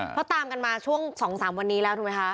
เพราะตามกันมาช่วง๒๓วันนี้แล้วถูกไหมคะ